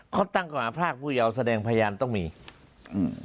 เขาตั้งข้อหาพรากผู้ยาวแสดงพยานต้องมีอืม